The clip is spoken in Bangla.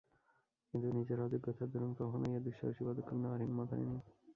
কিন্তু নিজের অযোগ্যতার দরুন কখনোই এ দুঃসাহসী পদক্ষেপ নেওয়ার হিম্মত হয়নি।